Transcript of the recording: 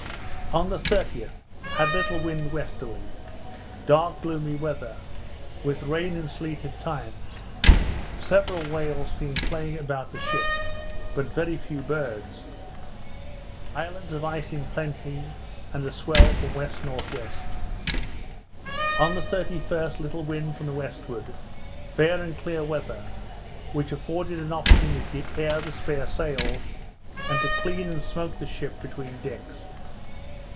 On the 30th, had little wind westerly; dark gloomy weather; with snow and sleet at times; several whales seen playing about the ship, but very few birds; islands of ice in plenty, and a swell from W.N.W. On the 31st, little wind from the westward, fair and clear weather, which afforded an opportunity to air the spare sails, and to clean and smoke the ship between decks.